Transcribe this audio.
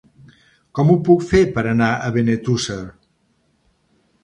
Com ho puc fer per anar a Benetússer?